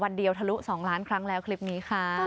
เลิกลงบ่อปลาสักที